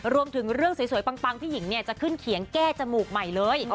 รวมถึงเรื่องสวยปังพี่หญิงจะขึ้นเขียงแก้จมูกใหม่เลย